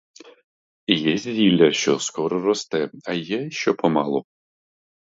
Є зілля, що скоро росте, а є, що помалу.